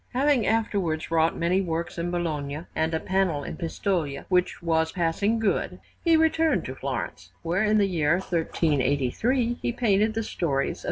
Having afterwards wrought many works in Bologna, and a panel in Pistoia which was passing good, he returned to Florence, where, in the year 1383, he painted the stories of S.